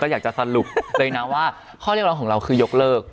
อยากจะสรุปเลยนะว่าข้อเรียกร้องของเราคือยกเลิก